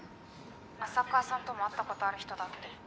浅川さんとも会ったことある人だって。